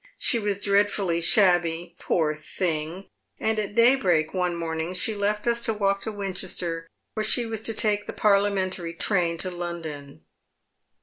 She was dreadfully shabby, poor thing, and at daybreak one morning she left us to walk te Winchester, where she was to take the parliamentary train to London."